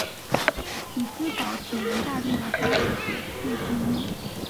匹兹堡铁人队的发起球队之一。